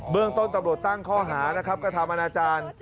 เรื่องต้นตำรวจตั้งข้อหานะครับกระทำอนาจารย์